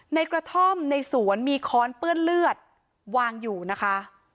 ในกระท่อมในสวนมีค้อนเปื้อนเลือดวางอยู่นะคะ